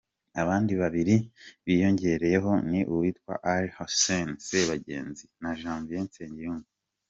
Abandi babiri biyongereyeho ni uwitwa Ally Husseine Sebagenzi na Janvier Nsengiyumva.